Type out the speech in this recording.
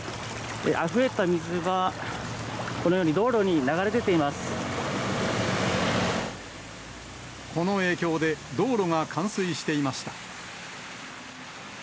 あふれた水が、この影響で道路が冠水していました。